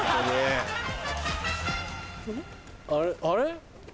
あれ？